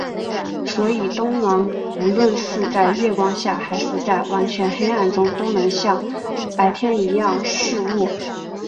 所以冬狼无论是在月光下还是在完全黑暗中都能像白天一样视物。